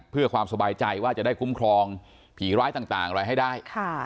เพื่อความสบายใจว่าจะได้คุ้มครองผีร้ายต่างอะไรให้ได้